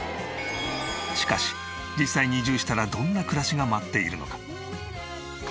しかし実際に移住したらどんな暮らしが待っているのか？